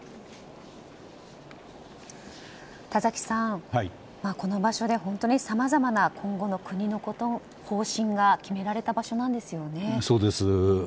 田崎さん、この場所で本当にさまざまな今後の国の方針が決められた場所なんですよね。